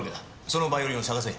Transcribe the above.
そのバイオリンを捜せ。